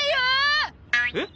えっ？